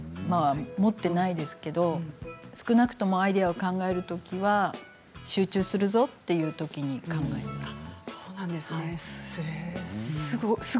持っていないんですけれども少なくともアイデアを考えるときは集中するぞ、という時に考えます。